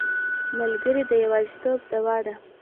ملګری د یوازیتوب دوا ده.